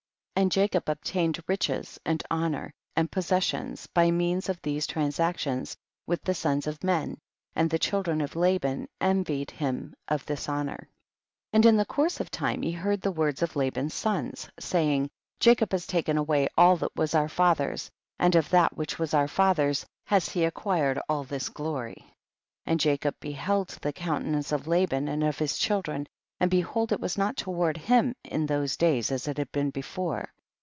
34. And Jacob obtained riches and honor and possessions by means of these transactions with the sons of men, and the children of Laban envied him of this honor. 35. And in the course of time he heard the words of Laban's sons, saying, Jacob has taken away all that was our father's, and of that which was our father's has he ac quired all this glory. 36. And Jacob beheld the counte nance of Laban and of his children, and behold it was not toward him in those days as it had been before.